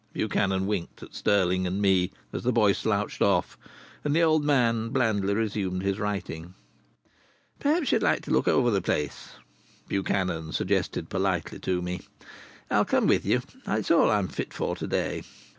Buchanan winked at Stirling and me as the boy slouched off and the old man blandly resumed his writing. "Perhaps you'd like to look over the place?" Buchanan suggested politely to me. "I'll come with you. It's all I'm fit for to day....